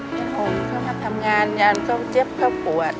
เป็นห่วงเค้ามาทำงานยานเค้าเจ็บเค้าปวด